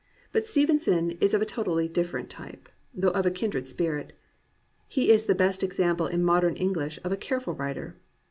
But Stevenson is of a totally different type, though of a kindred spirit. He is the best example in modern English of a careful writer.